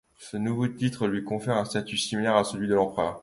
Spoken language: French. Ce nouveau titre lui confère un statut similaire à celui d'un empereur.